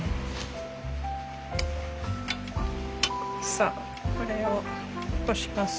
さあこれをこします。